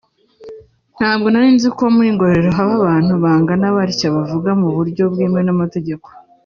ntabwo narinzi ko muri Ngororero haba abantu bangana batya bavura mu buryo bwemewe n’amategeko